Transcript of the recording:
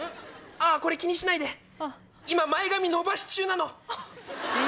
あぁこれ気にしないで今前髪伸ばし中なの。